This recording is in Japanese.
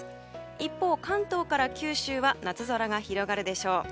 一方、関東から九州は夏空が広がるでしょう。